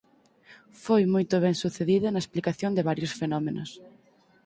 Foi moito ben sucedida na explicación de varios fenómenos.